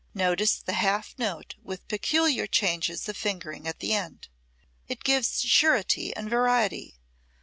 Notice the half note with peculiar changes of fingering at the end. It gives surety and variety.